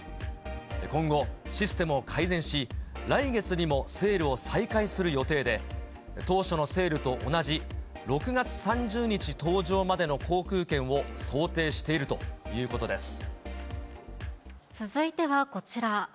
今後、システムを改善し、来月にもセールを再開する予定で、当初のセールと同じ、６月３０日搭乗までの航空券を想定している続いてはこちら。